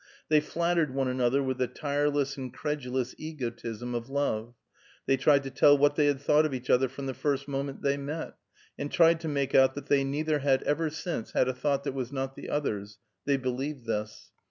They flattered one another with the tireless and credulous egotism of love; they tried to tell what they had thought of each other from the first moment they met, and tried to make out that they neither had ever since had a thought that was not the other's; they believed this.